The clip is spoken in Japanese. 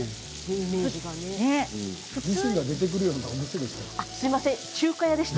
にしんが出てくるようなお店だった？